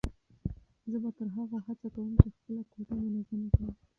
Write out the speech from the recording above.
زه به تر هغو هڅه کوم چې خپله کوټه منظمه کړم.